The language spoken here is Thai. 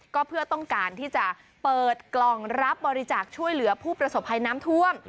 ก็เพื่อต้องการที่จะเปิดกล่องรับบริจาคช่วยเหลือผู้ประสบภัยน้ำท่วม